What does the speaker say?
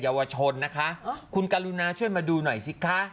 เยาวชนนะคะคุณกรุณาช่วยมาดูหน่อยสิคะ